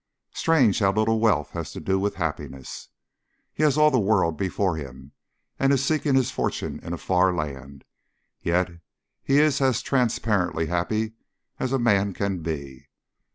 Strange how little wealth has to do with happiness! He has all the world before him and is seeking his fortune in a far land, yet he is as transparently happy as a man can be.